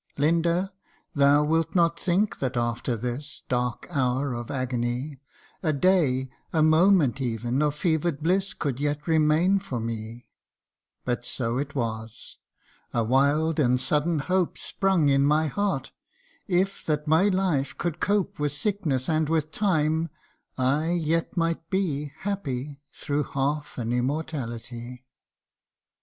Linda ! thou wilt not think that after this Dark hour of agony, A day, a moment ev'n, of fever'd bliss Could yet remain for me : But so it was, a wild and sudden hope Sprung in my heart if that my life could cope With sickness and with time, I yet might be Happy through half an immortality.